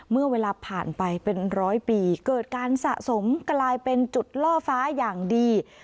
เมื่อเวลาผ่านไปเป็นร้อยปีเกิดการสะสมกลายเป็นจุดล่อฟ้าอย่างดี